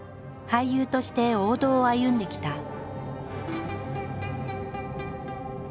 俳優として王道を歩んできた。